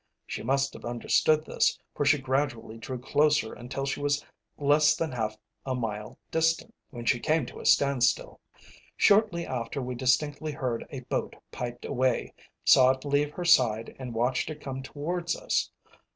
She must have understood this, for she gradually drew closer until she was less than half a mile distant, when she came to a standstill. Shortly after we distinctly heard a boat piped away, saw it leave her side, and watched it come towards us.